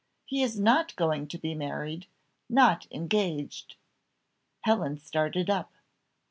He is not going to be married not engaged." Helen started up.